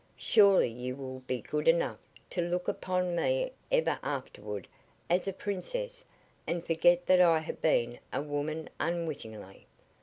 Surely you will be good enough to look upon me ever afterward as a princess and forget that I have been a woman unwittingly.